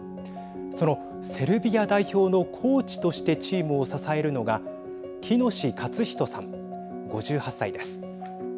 そのセルビア代表のコーチとしてチームを支えるのが喜熨斗勝史さん、５８歳です。